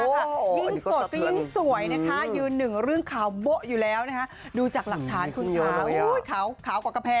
ยิ่งสวดยิ่งสวยนะคะยืนหนึ่งเรื่องขาวโบ๊ะอยู่แล้วนะคะ